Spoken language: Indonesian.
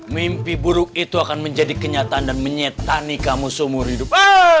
mimpi buruk itu akan menjadi kenyataan dan menyetani kamu seumur hidup